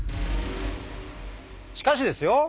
しかしですよ